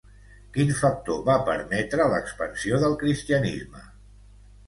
Quin factor va permetre l'expansió del cristianisme?